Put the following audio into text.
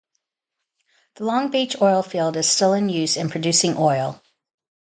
The Long Beach oilfield is still in use and producing oil.